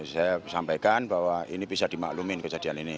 saya sampaikan bahwa ini bisa dimaklumin kejadian ini